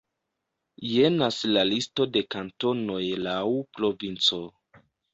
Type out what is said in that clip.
Jenas la listo de kantonoj laŭ provinco.